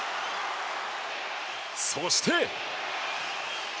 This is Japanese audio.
そして。